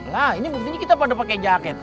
lah ini berarti kita pada pake jaket